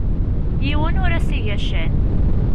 Yiwen ur as-iga ccan.